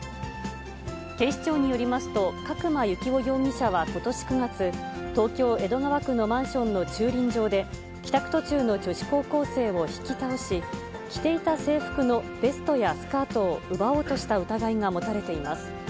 警視庁によりますと、角間幸雄容疑者はことし９月、東京・江戸川区のマンションの駐輪場で、帰宅途中の女子高校生を引き倒し、着ていた制服のベストやスカートを奪おうとした疑いが持たれています。